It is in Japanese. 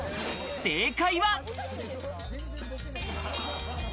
正解は。